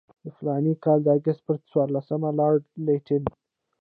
د فلاني کال د اګست پر څوارلسمه لارډ لیټن.